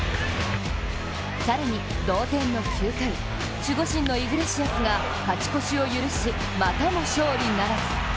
更に同点の９回守護神のイグレシアスが勝ち越しを許しまたも勝利ならず。